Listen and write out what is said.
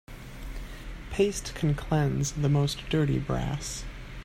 Paste can cleanse the most dirty brass.